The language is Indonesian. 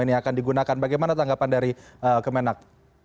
ini akan digunakan bagaimana tanggapan dari kemenak